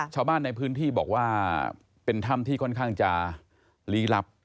ชาวบ้านในพื้นที่บอกว่าเป็นถ้ำที่ค่อนข้างจะลี้ลับ